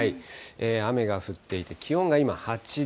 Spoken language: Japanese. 雨が降っていて、気温が今、８度。